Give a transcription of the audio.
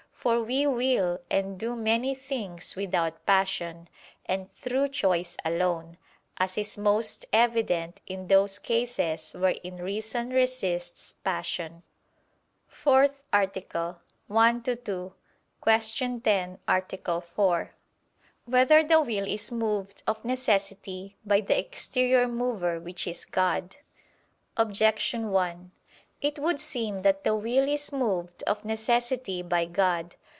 For we will and do many things without passion, and through choice alone; as is most evident in those cases wherein reason resists passion. ________________________ FOURTH ARTICLE [I II, Q. 10, Art. 4] Whether the Will Is Moved of Necessity by the Exterior Mover Which Is God? Objection 1: It would seem that the will is moved of necessity by God.